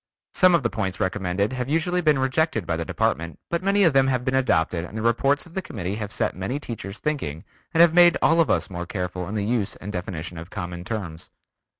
Some of the points recommended have usually been rejected by the Department, but many of them have been adopted and the reports of the committee have set many teachers thinking and have made us all more careful in the use and definition of common terms.